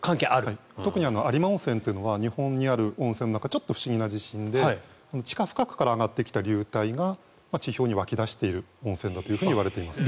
特に有馬温泉というのは日本にある温泉の中でも不思議な温泉で地下深くから上がってきた流体が地表に湧き上がってきている温泉だといわれています。